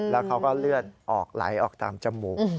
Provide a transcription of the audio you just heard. แล้วเขาก็เลือดออกไหลออกตามจมูก